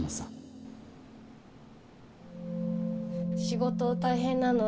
仕事大変なの？